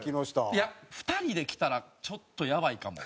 いや２人で来たらちょっとやばいかも。